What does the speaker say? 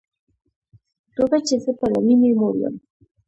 توبه چي زه به له میني موړ یم